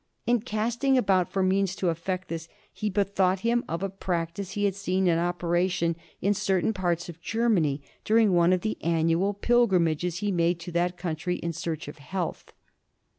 In casting about for means to effect this he bethought him of a practice he had seen in operation in a certain part of Germany during one of the annual pilgrimages he made to that country in search of health.